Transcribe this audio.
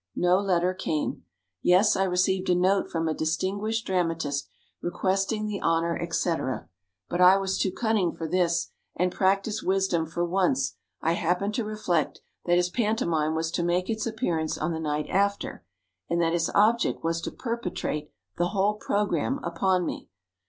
no letter came; yes, I received a note from a distinguished dramatist, requesting the honor, etc. But I was too cunning for this, and practiced wisdom for once. I happened to reflect that his pantomime was to make its appearance on the night after, and that his object was to perpetrate the whole programme upon me.